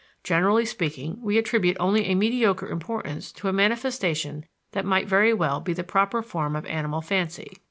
Generally speaking, we attribute only a mediocre importance to a manifestation that might very well be the proper form of animal fancy.